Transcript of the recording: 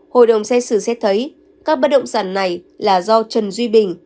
hội đồng xét xử xét thấy các bất động sản này là do trần duy bình